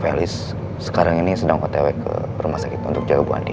felys sekarang ini sedang kotewe ke rumah sakit untuk jaga bu andi